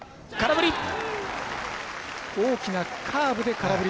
空振り！